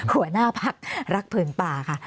หัวหน้าภักรรคเผินป่าค่ะ